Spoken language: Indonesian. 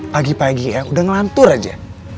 pagi pagi ya udah ngelantur aja